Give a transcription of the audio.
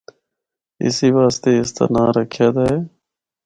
اسی واسطے اس دا اے ناں رکھیا دا ہے۔